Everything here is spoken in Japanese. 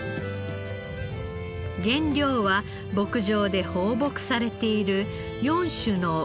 原料は牧場で放牧されている４種の牛の牛乳です。